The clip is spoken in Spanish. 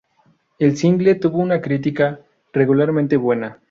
El single tuvo una crítica regularmente buena.